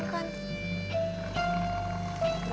tapi kita juga tahu